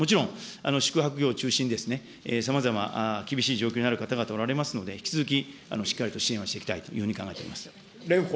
もちろん宿泊業中心にですね、さまざまな厳しい状況にある方、おられますので、引き続きしっかりと支援をしていきたいというふうに考えております。